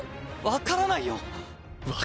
分からない？